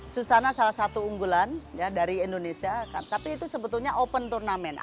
susana salah satu unggulan dari indonesia tapi itu sebetulnya open turnamen